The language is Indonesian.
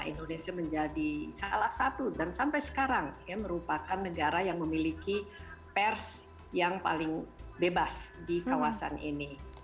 indonesia menjadi salah satu dan sampai sekarang merupakan negara yang memiliki pers yang paling bebas di kawasan ini